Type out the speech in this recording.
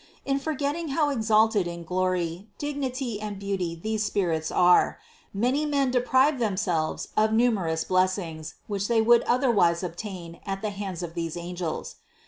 In forgetting how exalted in glory, dignity and beauty these spirits are, many men deprive themselves of numerous blessings, which they would oth erwise obtain at the hands of these angels.